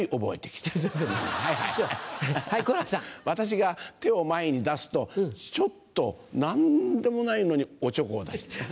私が手を前に出すとひょっと何でもないのにおちょこを出してくれる。